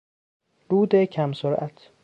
رود کم سرعت